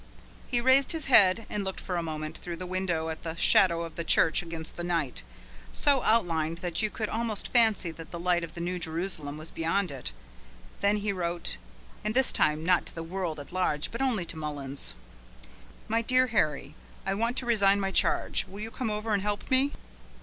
He raised his head, and looked for a moment through the window at the shadow of the church against the night, so outlined that you could almost fancy that the light of the New Jerusalem was beyond it. Then he wrote, and this time not to the world at large but only to Mullins: "My dear Harry, I want to resign my charge. Will you come over and help me?"